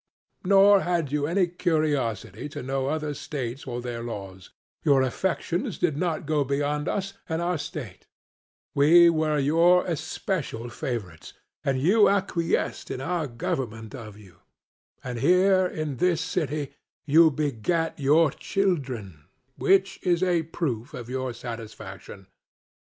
Nor had you any curiosity to know other states or their laws: your affections did not go beyond us and our state; we were your especial favourites, and you acquiesced in our government of you; and here in this city you begat your children, which is a proof of your satisfaction.